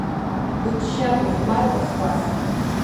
Бычча, бахыхәмар, бахлаф…